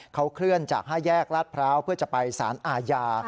เขาเคลื่อนจาก๕แยกลาดพร้าวเพื่อจะไปสารอาญา